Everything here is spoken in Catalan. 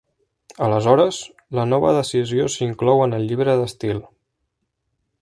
Aleshores, la nova decisió s'inclou en el llibre d'estil.